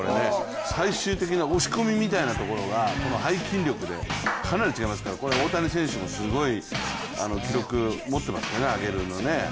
最終的な押し込みみたいなところが背筋力でかなり違いますからこれ、大谷選手もすごい記録持ってますからね上げるのね。